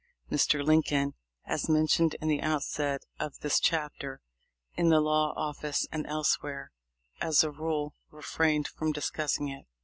Air. Lincoln, as mentioned in the outset of this chapter, in the law office and elsewhere, as a rule, refrained from discussing it.